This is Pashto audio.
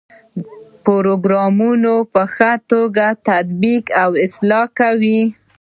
پروګرامونه په ښه توګه تطبیق او اصلاح کوي.